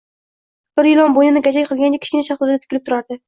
bir ilon bo‘ynini gajak qilgancha Kichkina shahzodaga tikilib turardi.